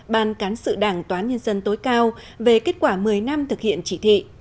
ban cán sự đảng tòa nhân dân tối cao về kết quả một mươi năm thực hiện chỉ thị